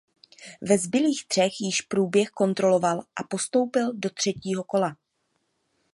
Ve zbylých třech již průběh kontroloval a postoupil do třetího kola.